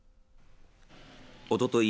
おととい